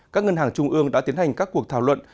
các ngân hàng trung ương đã tiến hành các cuộc thảo luận